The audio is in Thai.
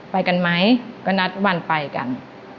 ไปกันไหมก็นัดวันไปกัน